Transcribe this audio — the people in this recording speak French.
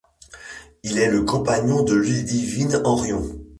Il est le compagnon de Ludivine Henrion.